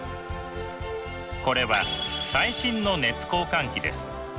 これは最新の熱交換器です。